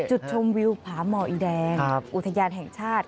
จุดชมวิวผาหมออีแดงอุทยานแห่งชาติ